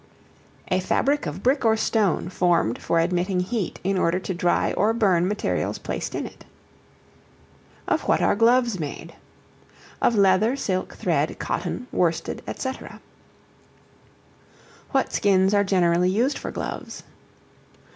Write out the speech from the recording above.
A fabric of brick or stone, formed for admitting heat in order to dry or burn materials placed in it. Of what are Gloves made? Of leather, silk, thread, cotton, worsted, &c. What skins are generally used for Gloves?